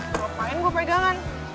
kalau pengen gue pegangan